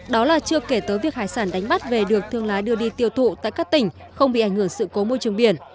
đó là chưa kể tới việc hải sản đánh bắt về được thương lái đưa đi tiêu thụ tại các tỉnh không bị ảnh hưởng sự cố môi trường biển